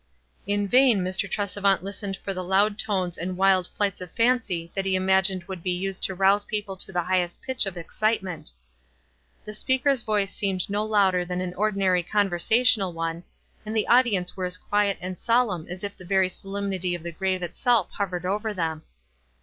In vain Mr. Tresevant listened for the loud tones and wild flighu of tancy that he imagined would be used to rouse people to the highest pitch of excitement. The speaker's voice seemed no WISE AND OTHERWISE. 329 louder thau an ordinary conversational one, and the audience were as quiet and solemn as if the very solemnity of the grave *„rielf hovered over them.